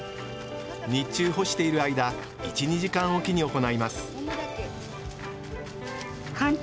日中干している間１２時間おきに行います